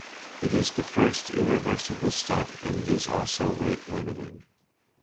It is the first irreversible step and is also rate limiting.